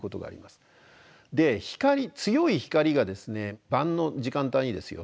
で強い光がですね晩の時間帯にですよ